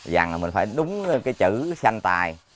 dằn là mình phải đúng cái chữ sanh tài